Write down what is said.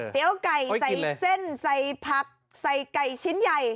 ไก่ใส่เส้นใส่ผักใส่ไก่ชิ้นใหญ่